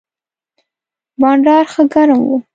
بانډار ښه ګرم و.